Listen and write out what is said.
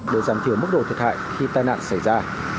để giảm thiểu mức độ thiệt hại khi tai nạn xảy ra